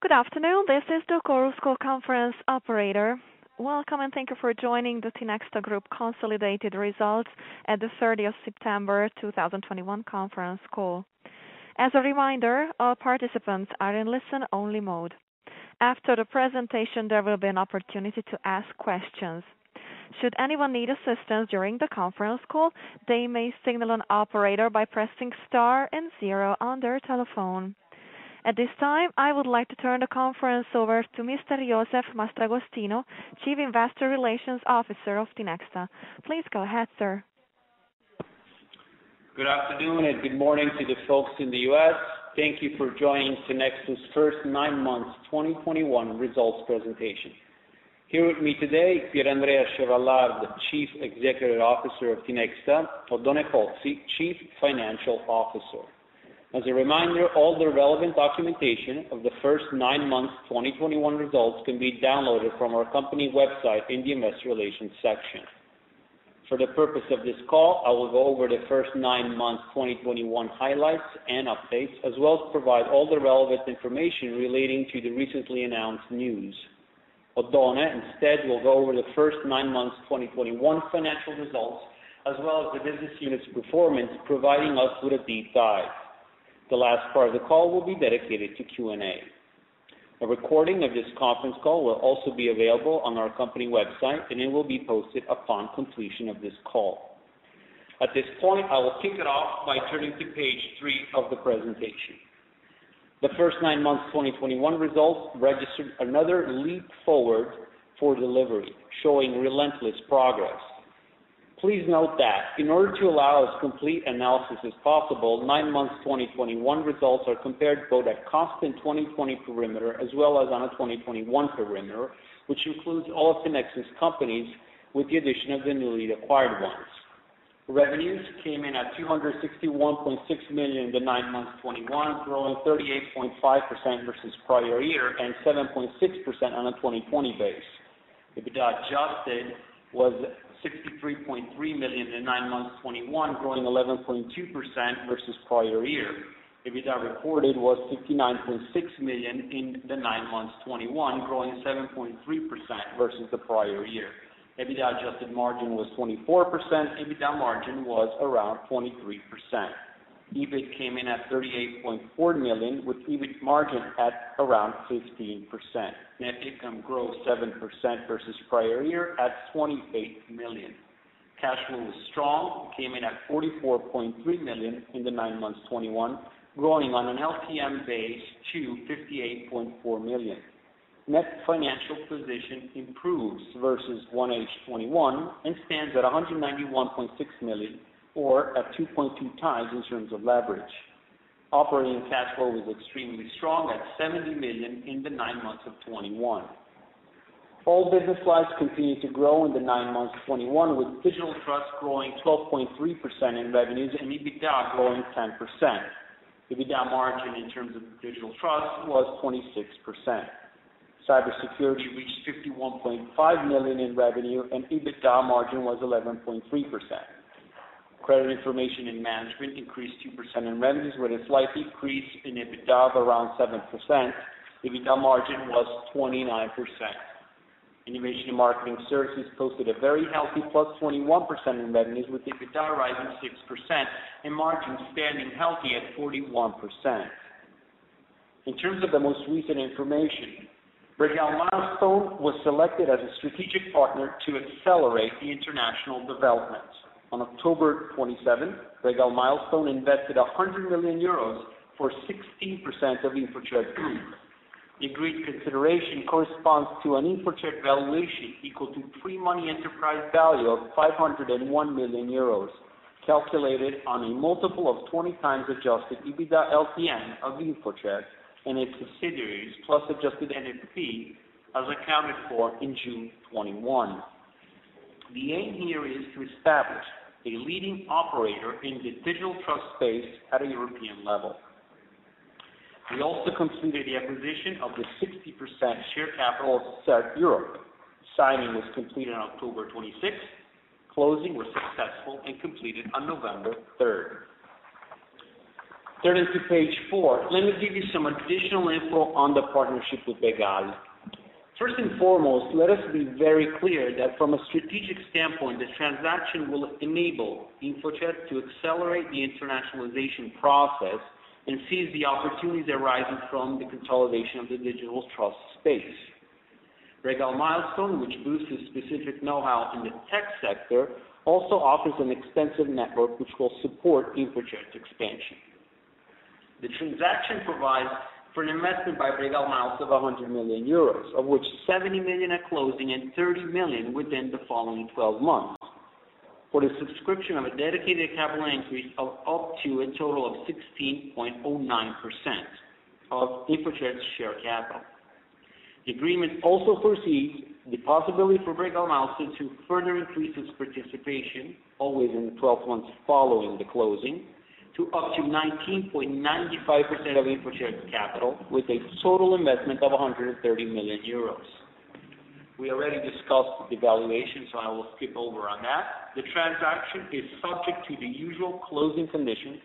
Good afternoon. This is the Chorus Call conference operator. Welcome, and thank you for joining the Tinexta Group consolidated results at 30th September 2021 Conference Call. As a reminder, all participants are in listen-only mode. After the presentation, there will be an opportunity to ask questions. Should anyone need assistance during the conference call, they may signal an operator by pressing star and zero on their telephone. At this time, I would like to turn the conference over to Mr. Josef Mastragostino, Chief Investor Relations Officer of Tinexta. Please go ahead, sir. Good afternoon and good morning to the folks in the U.S. Thank you for joining Tinexta's first nine months 2021 results presentation. Here with me today, Pier Andrea Chevallard, the Chief Executive Officer of Tinexta, Oddone Pozzi, Chief Financial Officer. As a reminder, all the relevant documentation of the first nine months 2021 results can be downloaded from our company website in the investor relations section. For the purpose of this call, I will go over the first nine months 2021 highlights and updates, as well as provide all the relevant information relating to the recently announced news. Oddone, instead, will go over the first nine months 2021 financial results, as well as the business unit's performance, providing us with a deep dive. The last part of the call will be dedicated to Q&A. A recording of this conference call will also be available on our company website, and it will be posted upon completion of this call. At this point, I will kick it off by turning to page three of the presentation. The first nine months 2021 results registered another leap forward for delivery, showing relentless progress. Please note that in order to allow as complete analysis as possible, nine months 2021 results are compared both at constant 2020 perimeter as well as on a 2021 perimeter, which includes all of Tinexta's companies with the addition of the newly acquired ones. Revenues came in at 261.6 million in the nine months 2021, growing 38.5% versus prior year and 7.6% on a 2020 base. EBITDA adjusted was 63.3 million in nine months 2021, growing 11.2% versus prior year. EBITDA reported was 69.6 million in the nine months 2021, growing 7.3% versus the prior year. EBITDA adjusted margin was 24%. EBITDA margin was around 23%. EBIT came in at 38.4 million, with EBIT margin at around 15%. Net income grew 7% versus prior year at 28 million. Cash flow was strong. It came in at 44.3 million in the nine months 2021, growing on an LTM base to 58.4 million. Net financial position improves versus 1H 2021 and stands at 191.6 million or at 2.2x in terms of leverage. Operating cash flow was extremely strong at 70 million in the nine months of 2021. All business lines continued to grow in the nine months of 2021, with Digital Trust growing 12.3% in revenues and EBITDA growing 10%. EBITDA margin in terms of Digital Trust was 26%. Cybersecurity reached 51.5 million in revenue, and EBITDA margin was 11.3%. Credit information and management increased 2% in revenues with a slight increase in EBITDA of around 7%. EBITDA margin was 29%. Innovation and marketing services posted a very healthy +21% in revenues, with EBITDA rising 6% and margin standing healthy at 41%. In terms of the most recent information, Bregal Milestone was selected as a strategic partner to accelerate the international development. On October 27th, Bregal Milestone invested 100 million euros for 16% of InfoCert Group. The agreed consideration corresponds to an InfoCert valuation equal to pre-money enterprise value of 501 million euros, calculated on a multiple of 20x adjusted EBITDA LTM of InfoCert and its subsidiaries + adjusted NFP as accounted for in June 2021. The aim here is to establish a leading operator in the Digital Trust space at a European level. We also completed the acquisition of the 60% share capital of CertEurope. Signing was completed on October 26th. Closing was successful and completed on November 3rd. Turning to page four, let me give you some additional info on the partnership with Bregal. First and foremost, let us be very clear that from a strategic standpoint, the transaction will enable InfoCert to accelerate the internationalization process and seize the opportunities arising from the consolidation of the Digital Trust space. Bregal Milestone, which boosts specific know-how in the tech sector, also offers an extensive network which will support InfoCert expansion. The transaction provides for an investment by Bregal Milestone of 100 million euros, of which 70 million at closing and 30 million within the following 12 months for the subscription of a dedicated capital increase of up to a total of 16.09% of InfoCert share capital. The agreement also foresees the possibility for Bregal Milestone to further increase its participation, always in the 12 months following the closing, to up to 19.95% of InfoCert capital, with a total investment of 130 million euros. We already discussed the valuation, so I will skip over on that. The transaction is subject to the usual closing conditions,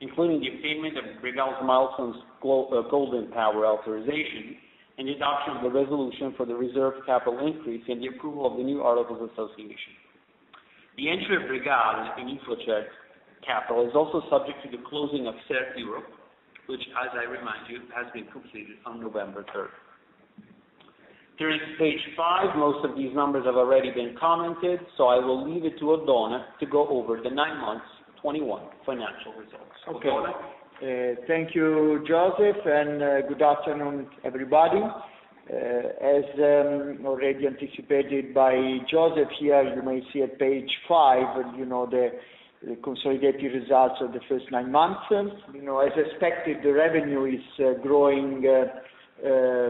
including the payment of Bregal Milestone's golden power authorization, and the adoption of the resolution for the reserve capital increase, and the approval of the new articles of association. The entry of Bregal in InfoCert is also subject to the closing of CertEurope, which, as I remind you, has been completed on November 3rd. Turning to page five, most of these numbers have already been commented, so I will leave it to Oddone to go over the nine months' 2021 financial results. Oddone? Okay. Thank you, Josef, and good afternoon, everybody. As already anticipated by Josef here, you may see at page five, you know, the consolidated results of the first nine months. You know, as expected, the revenue is growing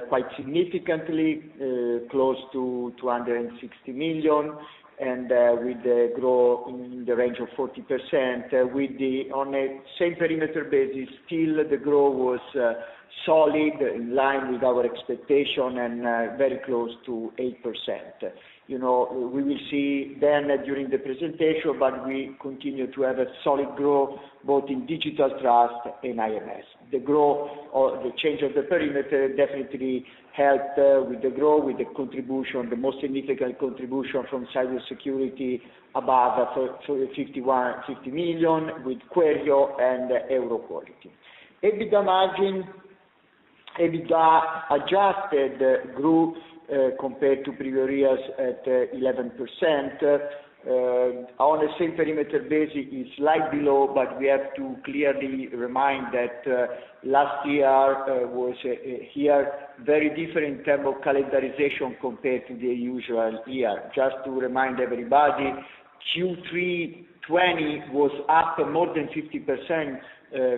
quite significantly, close to 260 million, and with the growth in the range of 40%. On a same perimeter basis, still the growth was solid, in line with our expectation, and very close to 8%. You know, we will see then during the presentation, but we continue to have a solid growth both in Digital Trust and IMS. The growth or the change of the perimeter definitely helped with the growth, with the contribution, the most significant contribution from cybersecurity above EUR 50 million with Querio and Euroquality. EBITDA margin, EBITDA adjusted growth, compared to previous years at 11%. On a same perimeter basis, it's slightly below, but we have to clearly remind that last year was here very different in terms of calendarization compared to the usual year. Just to remind everybody, Q3 2020 was up more than 50%,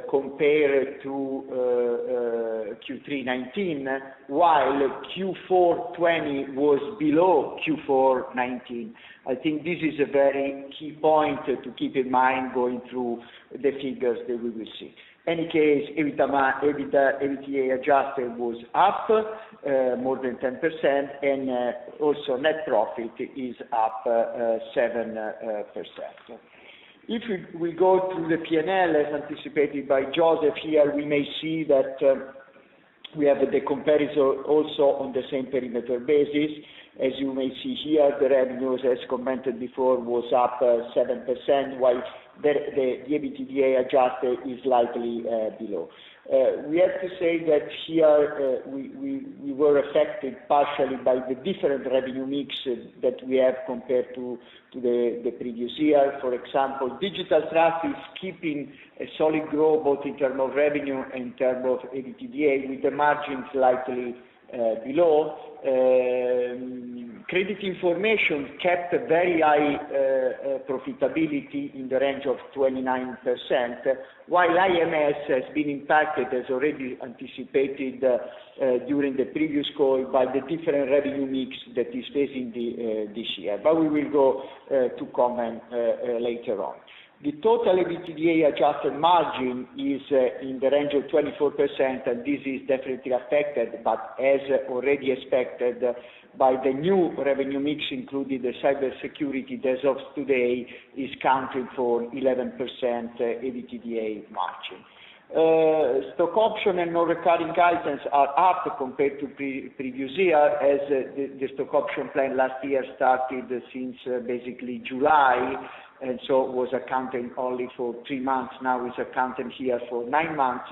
compared to Q3 2019, while Q4 2020 was below Q4 2019. I think this is a very key point to keep in mind going through the figures that we will see. In any case, EBITDA adjusted was up more than 10%, and also net profit is up 7%. If we go through the P&L, as anticipated by Josef here, we may see that we have the comparison also on the same perimeter basis. As you may see here, the revenues, as commented before, was up 7%, while the EBITDA adjusted is slightly below. We have to say that here, we were affected partially by the different revenue mix that we have compared to the previous year. For example, Digital Trust is keeping a solid growth both in term of revenue and in term of EBITDA, with the margin slightly below. Credit information kept a very high profitability in the range of 29%, while IMS has been impacted, as already anticipated, during the previous call, by the different revenue mix that is facing this year. We will go to comment later on. The total EBITDA adjusted margin is in the range of 24%, and this is definitely affected, but as already expected by the new revenue mix, including the cybersecurity, as of today, is accounting for 11% EBITDA margin. Stock option and non-recurring items are up compared to previous year as the stock option plan last year started since basically July, and so it was accounting only for three months. Now it's accounting here for nine months.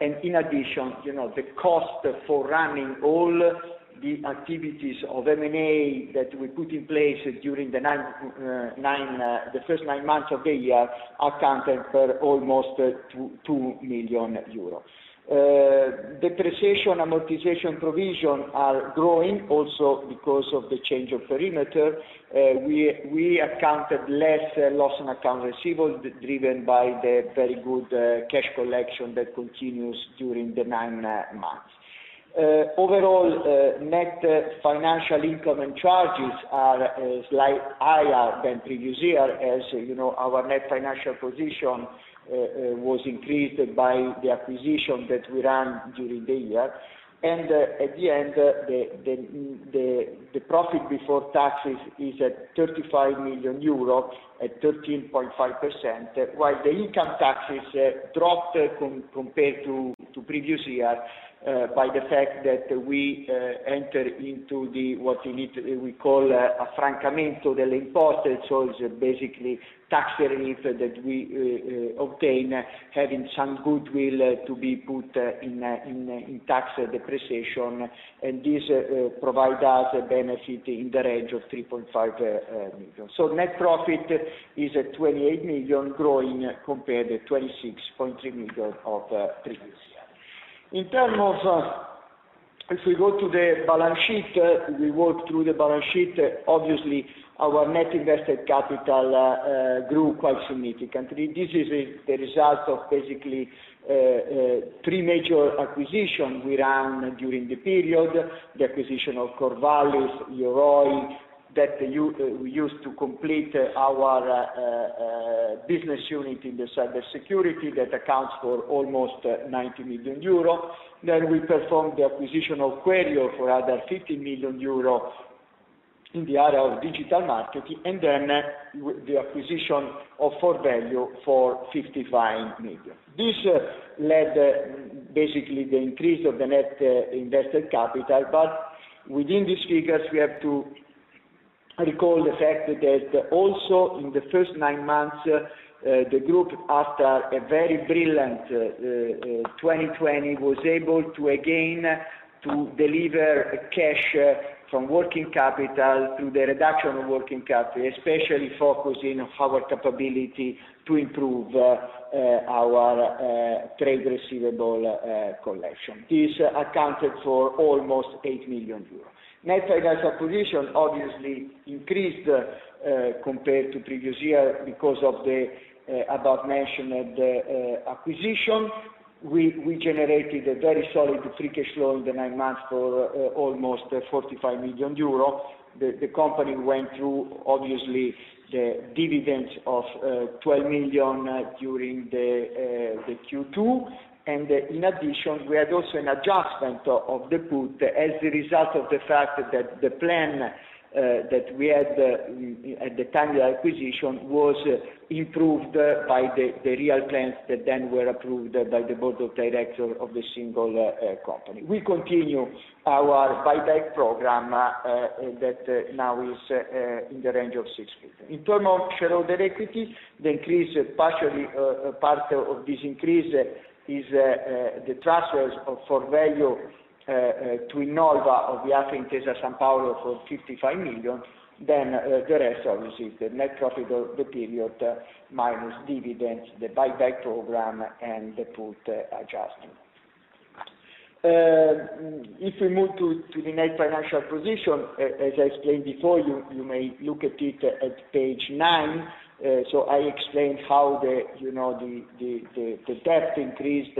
In addition, you know, the cost for running all the activities of M&A that we put in place during the first nine months of the year accounted for almost 2 million euros. Depreciation, amortization provision are growing also because of the change of perimeter. We accounted less loss on accounts receivable driven by the very good cash collection that continues during the nine months. Overall, net financial income and charges are slightly higher than previous year. As you know, our net financial position was increased by the acquisition that we ran during the year. At the end, the profit before taxes is at 35 million euro at 13.5%, while the income taxes dropped compared to previous year by the fact that we enter into the affrancamento delle imposte. It's basically tax relief that we obtain, having some goodwill to be put in tax depreciation. This provides us a benefit in the range of 3.5 million. Net profit is at 28 million growing compared to 26.3 million of previous year. In terms of if we go to the balance sheet, we work through the balance sheet, obviously our net invested capital grew quite significantly. This is the result of basically three major acquisition we ran during the period. The acquisition of Corvallis, Euroquality. That we used to complete our business unit in the cybersecurity that accounts for almost 90 million euro. Then we performed the acquisition of Querio for another 50 million euro in the area of digital marketing, and then the acquisition of Forvalue for 55 million. This led basically the increase of the net invested capital. Within these figures, we have to recall the fact that also in the first nine months, the group, after a very brilliant 2020, was able to again to deliver cash from working capital through the reduction of working capital, especially focusing on our capability to improve our trade receivable collection. This accounted for almost 8 million euros. Net financial position obviously increased compared to previous year because of the above mentioned acquisition. We generated a very solid free cash flow in the nine months for almost 45 million euro. The company went through obviously the dividend of 12 million during the Q2. In addition, we had also an adjustment of the put as a result of the fact that the plan that we had at the time of the acquisition was improved by the real plans that then were approved by the board of directors of the single company. We continue our buyback program that now is in the range of 6 billion. In terms of shareholder equity, the increase partially, part of this increase is the transfer of Forvalue to Innolva of the Intesa Sanpaolo for 55 million. The rest obviously is the net profit of the period minus dividends, the buyback program, and the put adjustment. If we move to the net financial position, as I explained before, you may look at it at page nine. I explained how you know the debt increased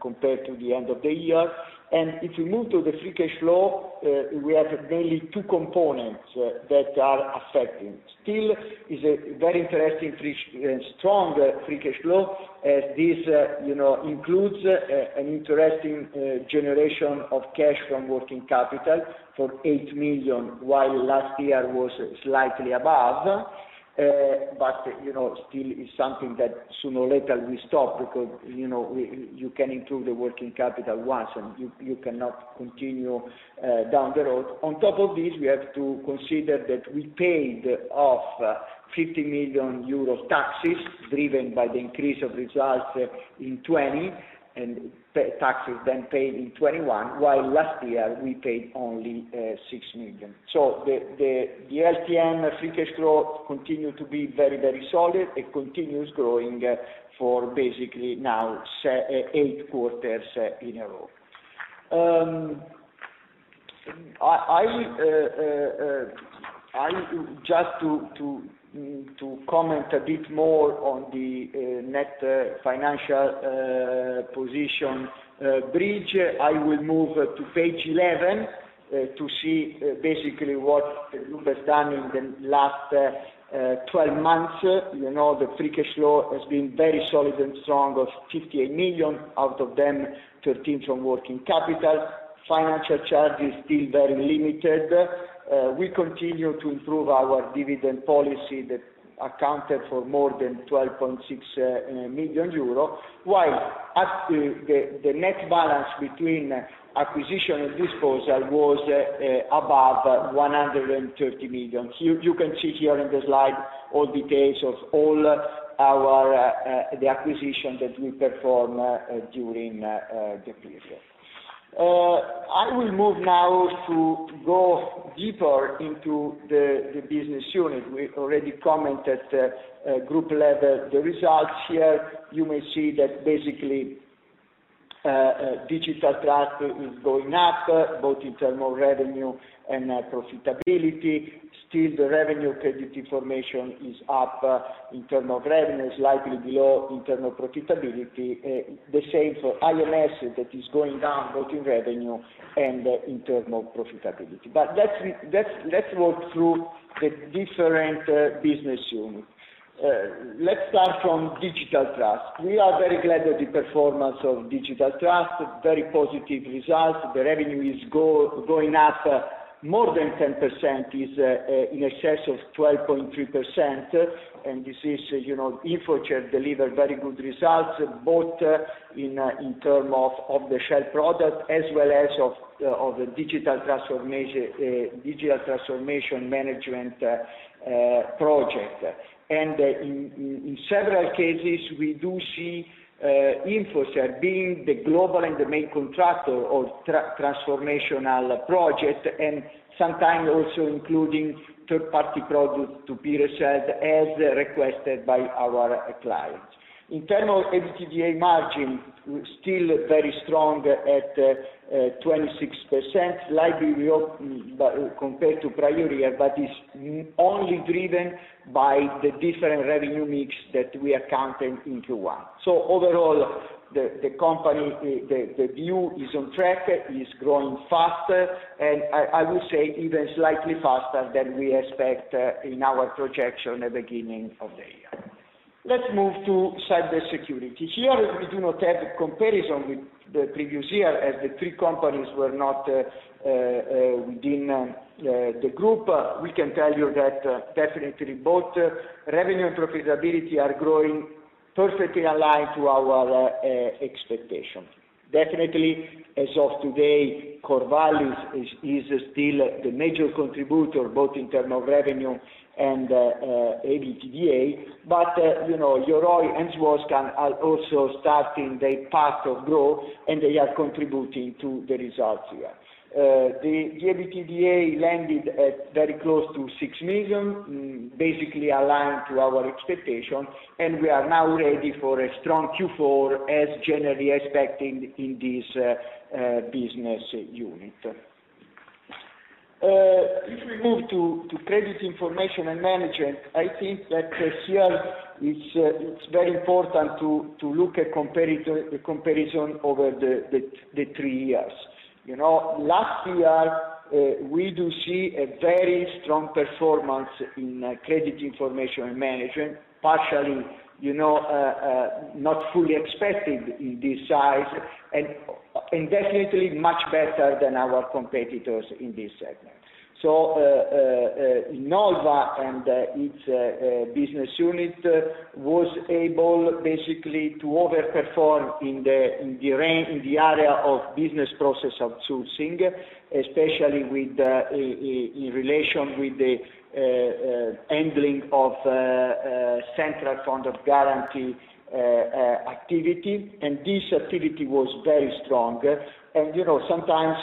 compared to the end of the year. If you move to the free cash flow, we have mainly two components that are affecting. It still is a very interesting strong free cash flow, as this you know includes an interesting generation of cash from working capital for 8 million, while last year was slightly above. You know still is something that sooner or later will stop because you know you can improve the working capital once, and you cannot continue down the road. On top of this, we have to consider that we paid off 50 million euros taxes driven by the increase of results in 2020, and taxes then paid in 2021, while last year we paid only 6 million. The LTM free cash flow continues to be very solid. It continues growing for basically now eight quarters in a row. I just want to comment a bit more on the net financial position bridge. I will move to page 11 to see basically what the group has done in the last 12 months. You know, the free cash flow has been very solid and strong of 58 million, out of them 13 from working capital. Financial charge is still very limited. We continue to improve our dividend policy that accounted for more than 12.6 million euro. While the net balance between acquisition and disposal was above 130 million. You can see here in the slide all details of all our the acquisition that we perform during the period. I will move now to go deeper into the business unit. We already commented group level the results here. You may see that basically Digital Trust is going up both in terms of revenue and profitability. Still the Credit Information is up in terms of revenue slightly below in terms of profitability. The same for IMS that is going down both in revenue and in terms of profitability. Let's walk through the different business unit. Let's start from Digital Trust. We are very glad with the performance of Digital Trust. Very positive results. The revenue is going up more than 10%, is in excess of 12.3%. This is, you know, InfoCert delivered very good results, both in terms of off-the-shelf product as well as of digital transformation management project. In several cases, we do see InfoCert being the global and the main contractor of transformational projects, and sometimes also including third-party products to be resold as requested by our clients. In terms of EBITDA margin, still very strong at 26%, slightly below, but compared to prior year, but is only driven by the different revenue mix that we are counting into one. So overall, the company, the view is on track. It is growing faster, and I would say even slightly faster than we expect in our projection at beginning of the year. Let's move to cybersecurity. Here we do not have comparison with the previous year as the three companies were not within the group. We can tell you that definitely both revenue and profitability are growing perfectly aligned to our expectation. Definitely as of today, Corvallis is still the major contributor, both in term of revenue and EBITDA. You know, Euroquality and Swascan are also starting their path of growth, and they are contributing to the results here. The EBITDA landed at very close to 6 million, basically aligned to our expectation, and we are now ready for a strong Q4 as generally expected in this business unit. If we move to credit information and management, I think that here it's very important to look at comparison over the three years. You know, last year, we do see a very strong performance in credit information management, partially, you know, not fully expected in this size and definitely much better than our competitors in this segment. Innolva and its business unit was able basically to over-perform in the area of business process outsourcing, especially in relation with the handling of central fund of guarantee activity. This activity was very strong. You know, sometimes,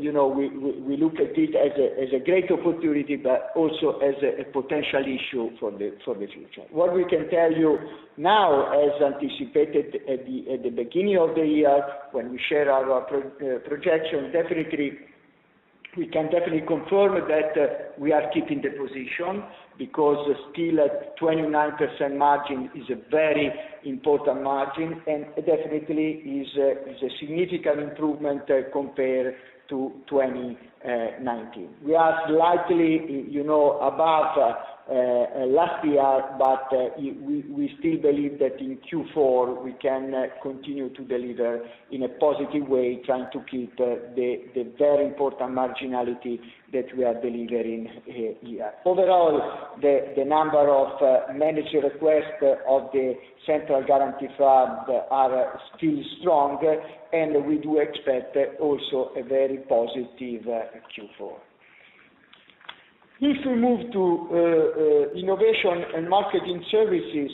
you know, we look at it as a great opportunity, but also as a potential issue for the future. What we can tell you now, as anticipated at the beginning of the year when we share our projection, definitely, we can confirm that we are keeping the position because still at 29% margin is a very important margin, and definitely is a significant improvement compared to 2019. We are slightly, you know, above last year, but we still believe that in Q4 we can continue to deliver in a positive way, trying to keep the very important marginality that we are delivering here. Overall, the number of manager request of the central guarantee fund are still strong, and we do expect also a very positive Q4. If we move to innovation and marketing services,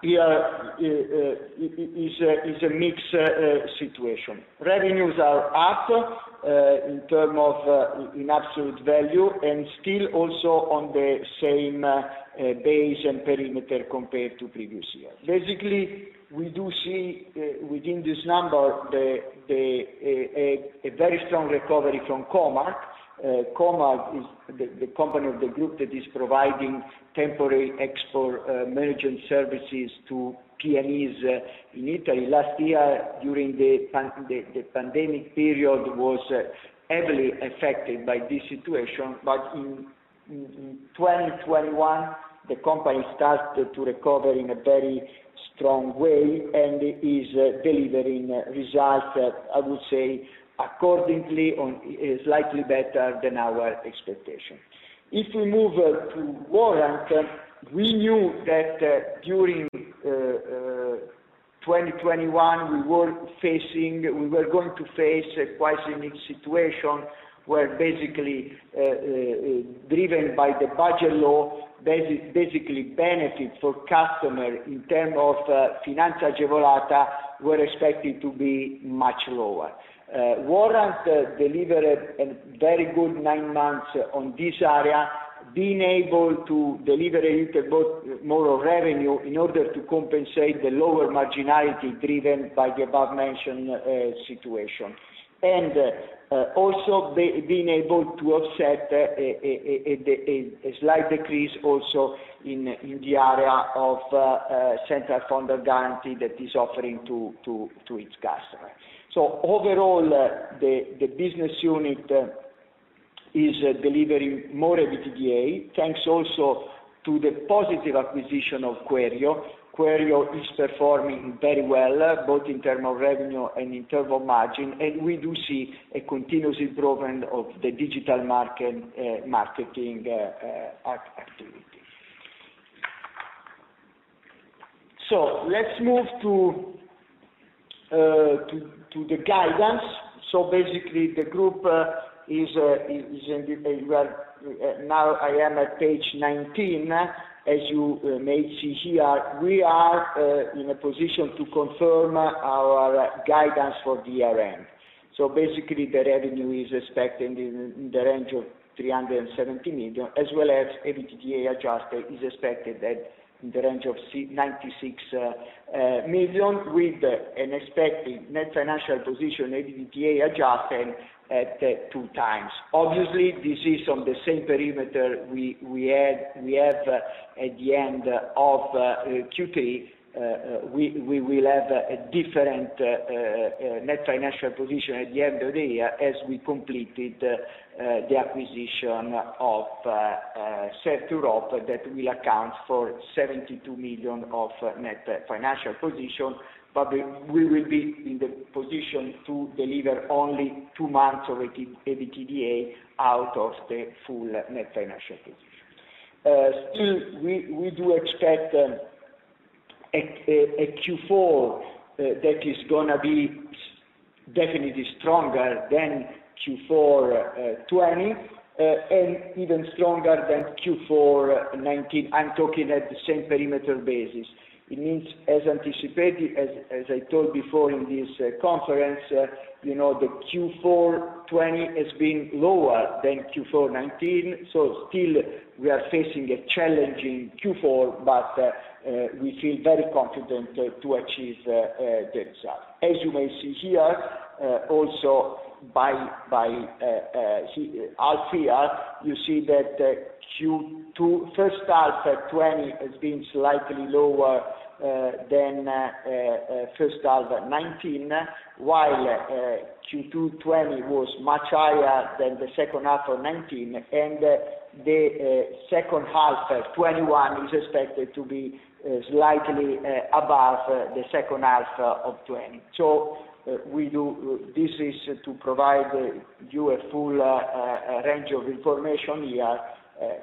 here is a mixed situation. Revenues are up in terms of absolute value and still also on the same base and perimeter compared to previous year. Basically, we do see within this number a very strong recovery from Co.Mark. Co.Mark is the company of the group that is providing temporary export management services to SMEs in Italy. Last year, during the pandemic period, it was heavily affected by this situation. In 2021, the company started to recover in a very strong way and is delivering results, I would say, accordingly or slightly better than our expectation. If we move to Warrant, we knew that during 2021, we were facing... We were going to face a quite unique situation, where basically, driven by the budget law, basically benefit for customer in term of finanza agevolata were expected to be much lower. Warrant delivered a very good nine months on this area, being able to deliver a little bit more of revenue in order to compensate the lower marginality driven by the above-mentioned situation. Also being able to offset a slight decrease also in the area of central fund guarantee that is offering to its customers. Overall, the business unit is delivering more EBITDA, thanks also to the positive acquisition of Querio. Querio is performing very well, both in term of revenue and in term of margin, and we do see a continuous improvement of the digital marketing activity. Let's move to the guidance. Well, now I am at page 19. As you may see here, we are in a position to confirm our guidance for the year-end. Basically, the revenue is expected in the range of 370 million, as well as EBITDA adjusted is expected in the range of 96 million, with an expected net financial position to EBITDA adjusted at 2x. Obviously, this is on the same perimeter we have at the end of Q3. We will have a different net financial position at the end of the year as we completed the acquisition of CertEurope that will account for 72 million of net financial position, but we will be in the position to deliver only two months of EBITDA out of the full net financial position. Still, we do expect a Q4 that is going to be definitely stronger than Q4 2020 and even stronger than Q4 2019. I'm talking at the same perimeter basis. It means as anticipated, as I told before in this conference, you know, the Q4 2020 has been lower than Q4 2019. Still we are facing a challenging Q4, but we feel very confident to achieve the result. As you may see here, also by half year, you see that Q2, first half 2020 has been slightly lower than first half 2019, while Q2 2020 was much higher than the second half of 2019. The second half of 2021 is expected to be slightly above the second half of 2020. This is to provide you a full range of information here.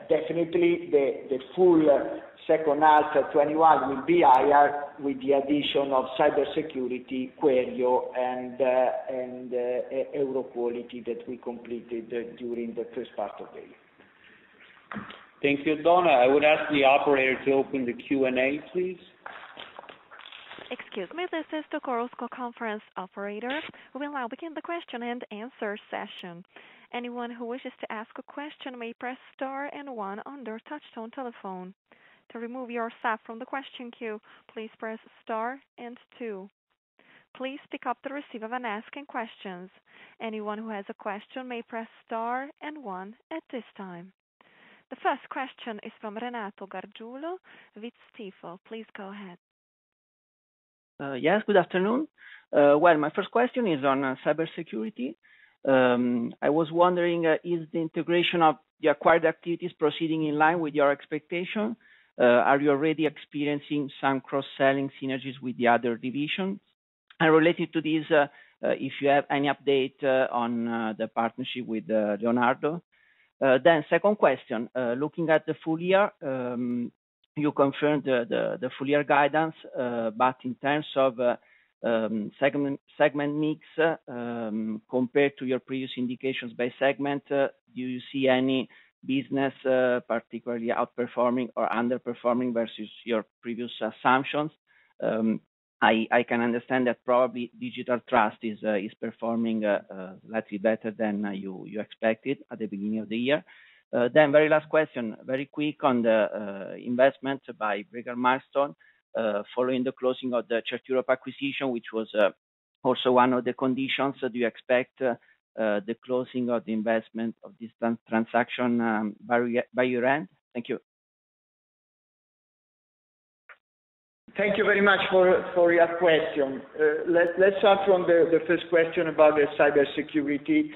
Definitely the full second half of 2021 will be higher with the addition of cybersecurity, Querio and Euroquality that we completed during the first part of the year. Thank you, Donna. I would ask the operator to open the Q&A, please. Excuse me. This is the Chorus Call conference operator. We will now begin the question-and-answer session. Anyone who wishes to ask a question may press star and one on their touchtone telephone. To remove yourself from the question queue, please press star and two. Please pick up the receiver when asking questions. Anyone who has a question may press star and one at this time. The first question is from Renato Gargiulo, with Stifel. Please go ahead. Yes, good afternoon. Well, my first question is on cybersecurity. I was wondering, is the integration of the acquired activities proceeding in line with your expectation? Are you already experiencing some cross-selling synergies with the other divisions? Related to this, if you have any update on the partnership with Leonardo? Second question, looking at the full year, you confirmed the full-year guidance, but in terms of segment mix, compared to your previous indications by segment, do you see any business particularly outperforming or underperforming versus your previous assumptions? I can understand that probably Digital Trust is performing slightly better than you expected at the beginning of the year. Very last question, very quick on the investment by Bregal Milestone following the closing of the CertEurope acquisition, which was also one of the conditions. Do you expect the closing of the investment of this transaction by year-end? Thank you. Thank you very much for your question. Let's start from the first question about the cybersecurity.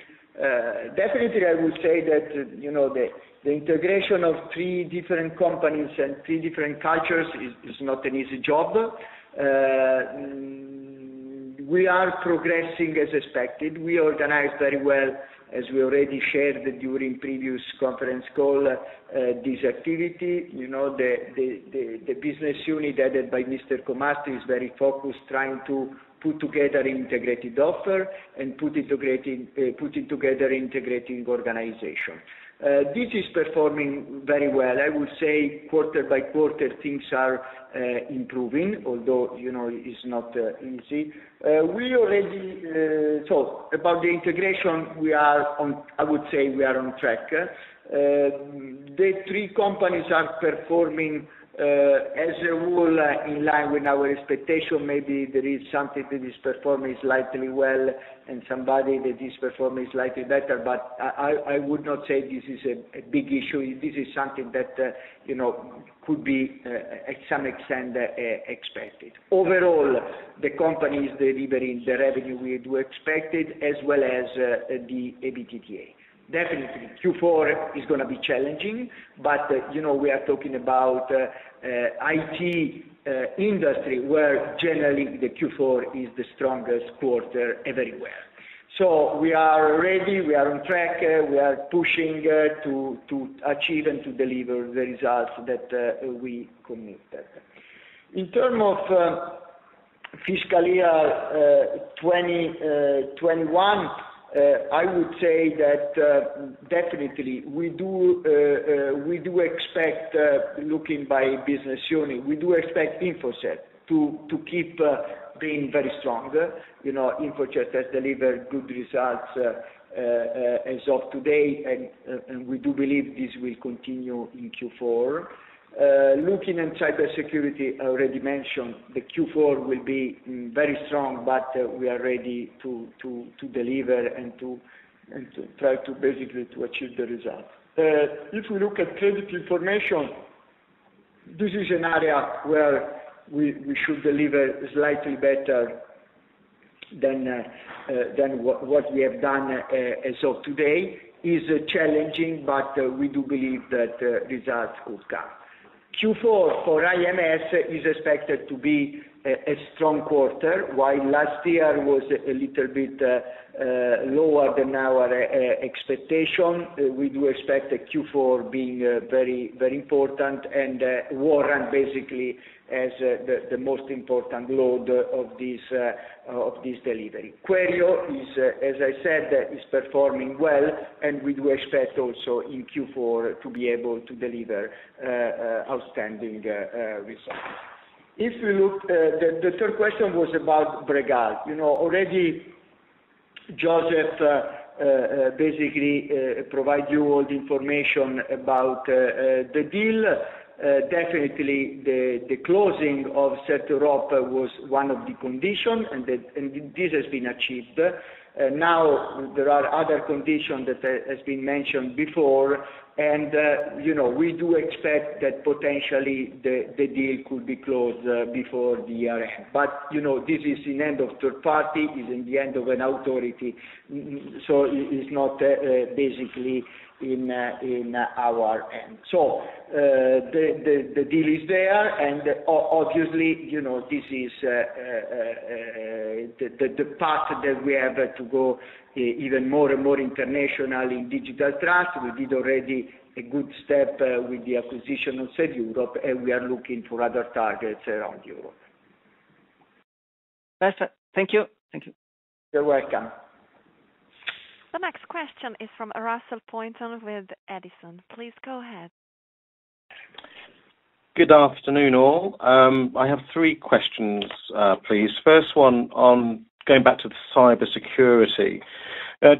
Definitely, I would say that, you know, the integration of three different companies and three different cultures is not an easy job. We are progressing as expected. We organized very well, as we already shared during previous conference call, this activity. You know, the business unit headed by Mr. Mastragostino is very focused trying to put together integrated offer and put it together integrating organization. This is performing very well. I would say quarter by quarter things are improving, although, you know, it's not easy. About the integration, we are on, I would say we are on track. The three companies are performing, as a rule, in line with our expectation. Maybe there is something that is performing slightly well and something that is performing slightly better, but I would not say this is a big issue. This is something that, you know, could be, to some extent, expected. Overall, the company is delivering the revenue we expected as well as the EBITDA. Definitely Q4 is going to be challenging, but, you know, we are talking about IT industry, where generally the Q4 is the strongest quarter everywhere. We are ready, we are on track, we are pushing to achieve and to deliver the results that we committed. In terms of fiscal year 2021, I would say that definitely we do expect, looking by business unit, we do expect InfoCert to keep being very strong. You know, InfoCert has delivered good results as of today, and we do believe this will continue in Q4. Looking at cybersecurity, I already mentioned the Q4 will be very strong, but we are ready to deliver and to try to basically achieve the results. If we look at credit information. This is an area where we should deliver slightly better than what we have done as of today. It is challenging, but we do believe that results will come. Q4 for IMS is expected to be a strong quarter. While last year was a little bit lower than our expectation, we do expect the Q4 being very, very important and Warrant basically as the most important load of this delivery. Querio is, as I said, performing well, and we do expect also in Q4 to be able to deliver outstanding results. If you look, the third question was about Bregal. You know, already Josef basically provide you all the information about the deal. Definitely the closing of CertEurope was one of the condition, and this has been achieved. Now there are other conditions that has been mentioned before, and you know, we do expect that potentially the deal could be closed before the year end. You know, this is in the hands of a third party, is in the hands of an authority, so it's not basically in our hands. The deal is there, and obviously, you know, this is the path that we have to go even more and more internationally in Digital Trust. We did already a good step with the acquisition of CertEurope, and we are looking for other targets around Europe. Thank you. Thank you. You're welcome. The next question is from Russell Pointon with Edison Group. Please go ahead. Good afternoon all. I have three questions, please. First one on going back to the cybersecurity.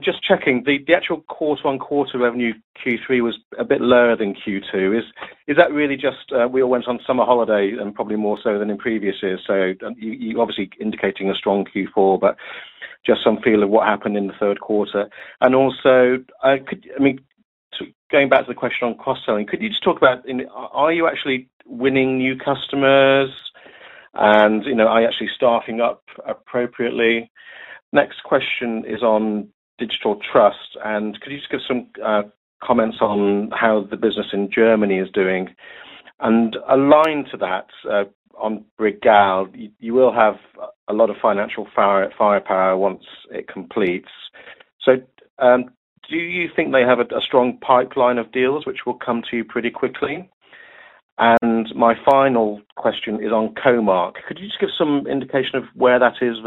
Just checking the actual quarter-on-quarter revenue Q3 was a bit lower than Q2. Is that really just we all went on summer holiday and probably more so than in previous years, so you obviously indicating a strong Q4, but just some feel of what happened in the third quarter. Also, I mean, going back to the question on cross-selling, could you just talk about. Are you actually winning new customers and, you know, are you actually staffing up appropriately? Next question is on Digital Trust, and could you just give some comments on how the business in Germany is doing? Aligned to that, on Bregal, you will have a lot of financial firepower once it completes. Do you think they have a strong pipeline of deals which will come to you pretty quickly? My final question is on Co.Mark. Could you just give some indication of where that is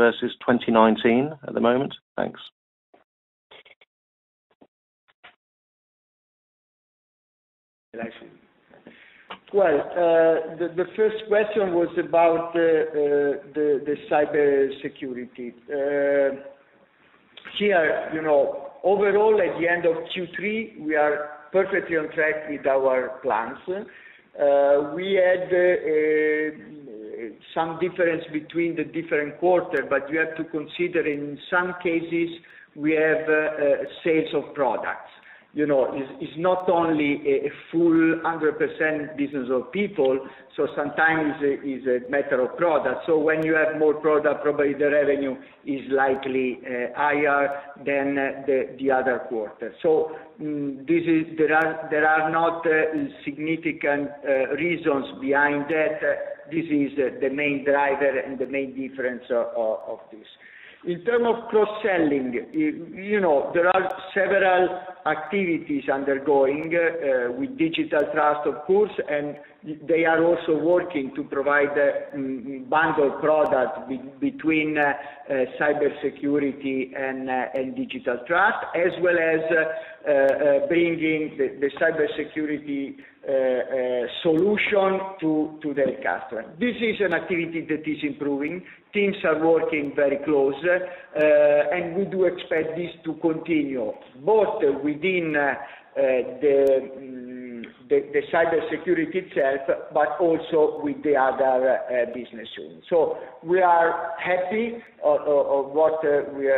versus 2019 at the moment? Thanks. Well, the first question was about the cybersecurity. Here, you know, overall, at the end of Q3, we are perfectly on track with our plans. We had some difference between the different quarters, but you have to consider in some cases we have sales of products. You know, it's not only a 100% business of people, so sometimes is a matter of product. When you have more product, probably the revenue is likely higher than the other quarter. This is the main driver and the main difference of this. In terms of cross-selling, you know, there are several activities underway with Digital Trust, of course, and they are also working to provide a bundle product between cybersecurity and Digital Trust, as well as bringing the cybersecurity solution to their customer. This is an activity that is improving. Teams are working very closely, and we do expect this to continue both within the cybersecurity itself, but also with the other business unit. We are happy of what we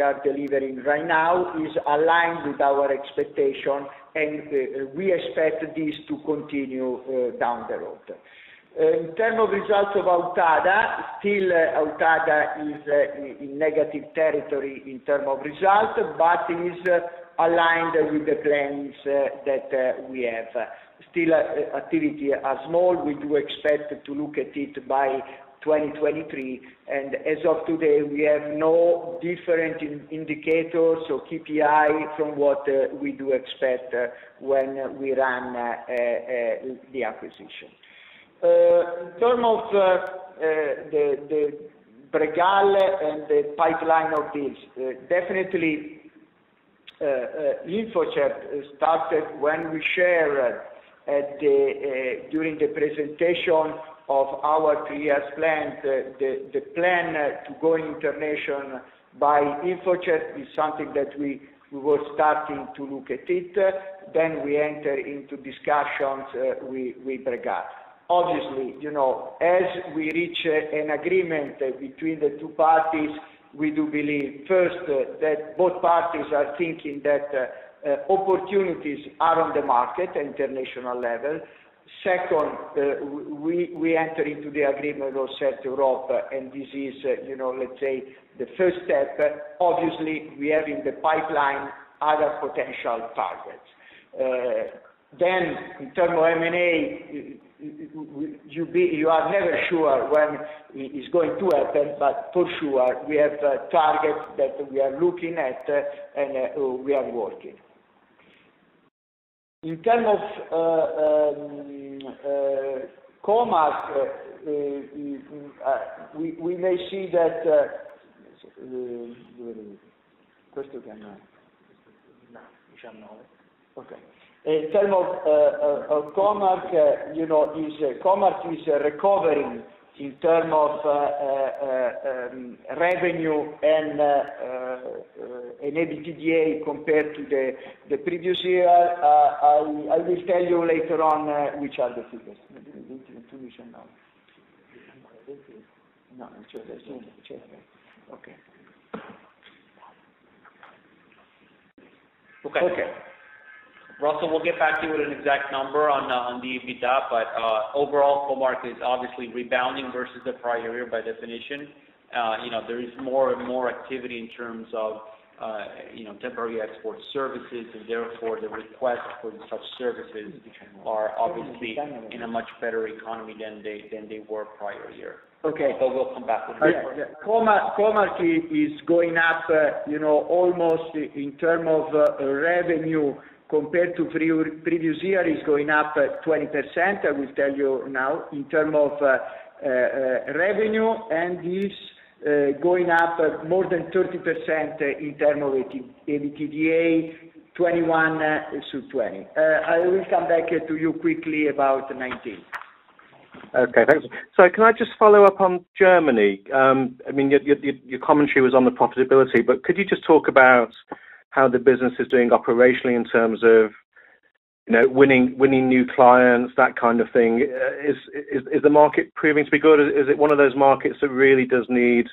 are delivering right now. It is aligned with our expectation, and we expect this to continue down the road. In terms of results of Authada, still Authada is in negative territory in terms of results, but is aligned with the plans that we have. Still, activities are small. We do expect to look at it by 2023, and as of today, we have no different indicators or KPI from what we do expect when we run the acquisition. In terms of the Bregal and the pipeline of deals, definitely, InfoCert started when we shared it during the presentation of our three-year plan. The plan to go international by InfoCert is something that we were starting to look at it, then we enter into discussions with Bregal. Obviously. You know, as we reach an agreement between the two parties, we do believe, first, that both parties are thinking that opportunities are on the market international level. Second, we enter into the agreement with CertEurope, and this is, you know, let's say the first step. Obviously, we have in the pipeline other potential targets. In terms of M&A, you are never sure when it is going to happen, but for sure, we have targets that we are looking at and we are working. In terms of Co.Mark, we may see that. Okay. In terms of Co.Mark, you know, Co.Mark is recovering in terms of revenue and an EBITDA compared to the previous year. I will tell you later on which are the figures. Okay. Russell, we'll get back to you with an exact number on the EBITDA. Overall, Co.Mark is obviously rebounding versus the prior year by definition. You know, there is more and more activity in terms of you know temporary export services, and therefore, the request for such services are obviously in a much better economy than they were prior year. Okay. We'll come back with you. Co.Mark is going up, you know, almost in terms of revenue compared to previous year is going up 20%. I will tell you now in terms of revenue, and is going up more than 30% in terms of EBITDA, 2021-2020. I will come back to you quickly about 2019. Okay, thanks. Can I just follow up on Germany? I mean, your commentary was on the profitability, but could you just talk about how the business is doing operationally in terms of, you know, winning new clients, that kind of thing? Is the market proving to be good? Is it one of those markets that really does need,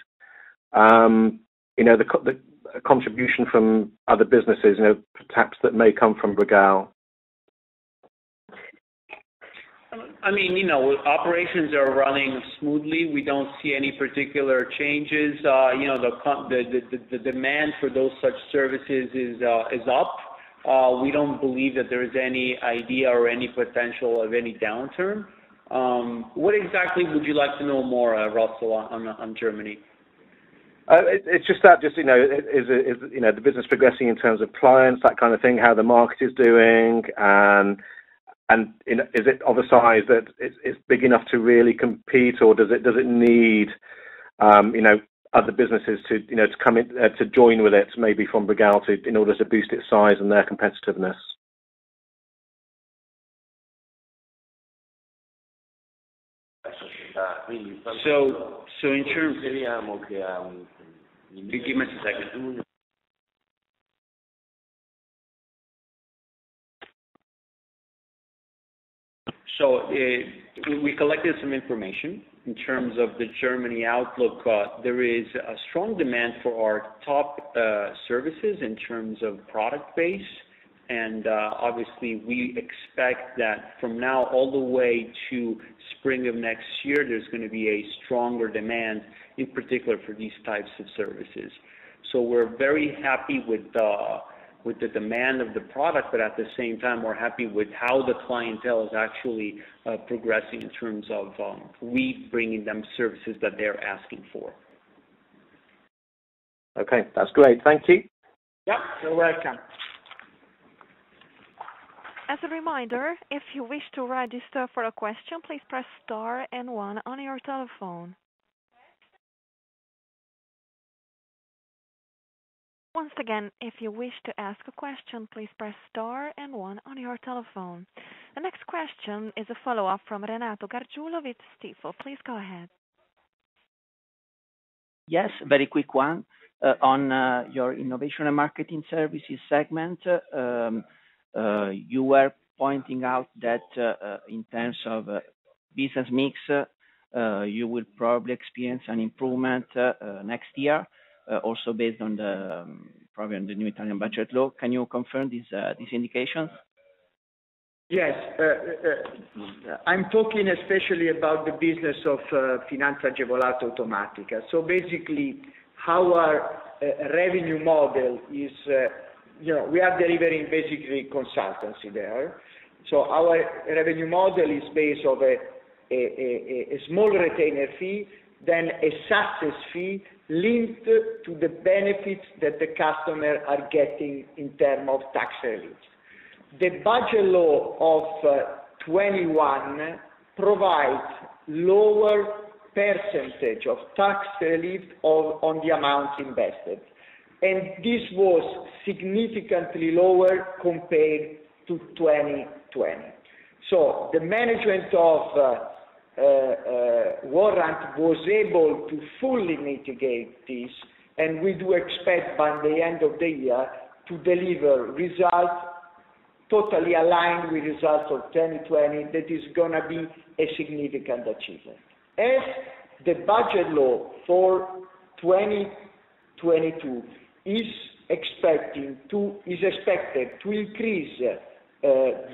you know, the contribution from other businesses, you know, perhaps that may come from Bregal? I mean, you know, operations are running smoothly. We don't see any particular changes. You know, the demand for those such services is up. We don't believe that there is any idea or any potential of any downturn. What exactly would you like to know more, Russell, on Germany? It's just that, you know, is the business progressing in terms of clients, that kind of thing, how the market is doing, and is it of a size that it's big enough to really compete, or does it need, you know, other businesses to join with it, maybe from Bregal in order to boost its size and their competitiveness? Give me a second. We collected some information. In terms of the German outlook, there is a strong demand for our top services in terms of product base. Obviously, we expect that from now all the way to spring of next year, there's gonna be a stronger demand, in particular, for these types of services. We're very happy with the demand of the product, but at the same time, we're happy with how the clientele is actually progressing in terms of we bringing them services that they're asking for. Okay, that's great. Thank you. Yeah, you're welcome. As a reminder, if you wish to register for a question, please press star and one on your telephone. Once again, if you wish to register for a question, please press star and one on your telephone. The next question is a follow-up from Renato Gargiulo with Stifel. Please go ahead. Yes, very quick one. On your innovation and marketing services segment, you were pointing out that in terms of business mix, you would probably experience an improvement next year, also based probably on the new Italian budget law. Can you confirm this indication? Yes. I'm talking especially about the business of Finanza Agevolata Automatica. Basically, our revenue model is, you know, we are delivering basically consultancy there. Our revenue model is based on a small retainer fee, then a success fee linked to the benefits that the customer are getting in terms of tax relief. The budget law of 2021 provides lower percentage of tax relief on the amount invested, and this was significantly lower compared to 2020. The management of Warrant was able to fully mitigate this, and we do expect by the end of the year to deliver results totally aligned with results of 2020, that is going to be a significant achievement. As the budget law for 2022 is expected to increase,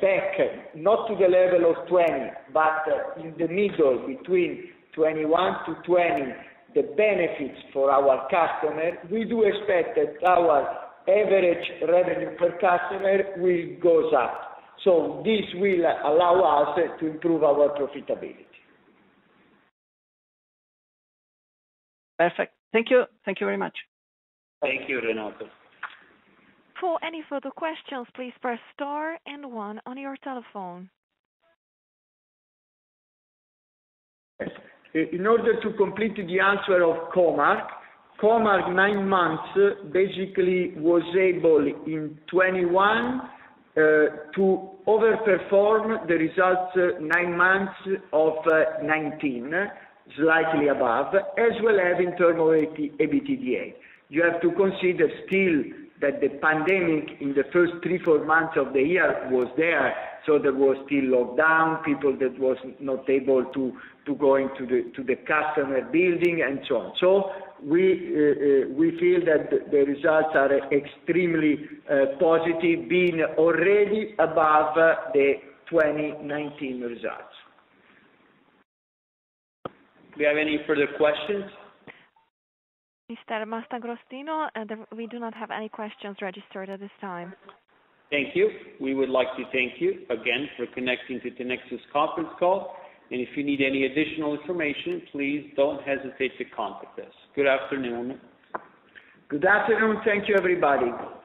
back not to the level of 20, but in the middle between 2021-2020, the benefits for our customer, we do expect that our average revenue per customer will goes up. This will allow us to improve our profitability. Perfect. Thank you. Thank you very much. Thank you, Renato. For any further questions, please press star and one on your telephone. In order to complete the answer of Co.Mark, Co.Mark nine months basically was able in 2021 to over-perform the results nine months of 2019, slightly above, as well as in terms of EBITDA. You have to consider still that the pandemic in the first three, four months of the year was there, so there was still lockdown, people that was not able to go into the customer building and so on. We feel that the results are extremely positive, being already above the 2019 results. Do we have any further questions? Mr. Mastragostino, and we do not have any questions registered at this time. Thank you. We would like to thank you again for connecting to Tinexta's conference call. If you need any additional information, please don't hesitate to contact us. Good afternoon. Good afternoon. Thank you, everybody. Bye.